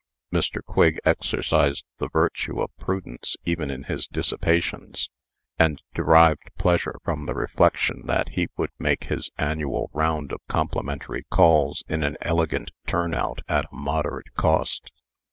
Mr. Quigg exercised the virtue of prudence even in his dissipations, and derived pleasure from the reflection that he would make his annual round of complimentary calls in an elegant turnout at a moderate cost.